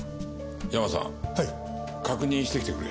ヤマさん確認してきてくれ。